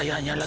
hei ibu siapa